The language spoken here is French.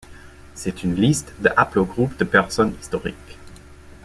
C'est une liste de haplogroupes de personnes historiques.